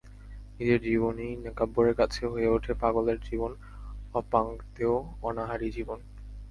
নিজের জীবনই নেকাব্বরের কাছে হয়ে ওঠে পাগলের জীবন, অপাঙ্ক্তেয়, অনাহারী জীবন।